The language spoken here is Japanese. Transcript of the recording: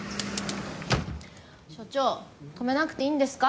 所長止めなくていいんですか？